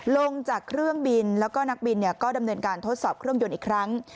ลงจากเครื่องบินแล้วก็นักบินก็ดำเนินการทดสอบเครื่องยนต์อีกครั้ง